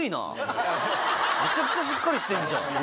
むちゃくちゃしっかりしてるじゃん。